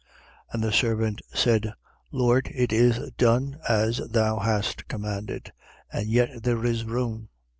14:22. And the servant said: Lord, it is done as thou hast commanded; and yet there is room.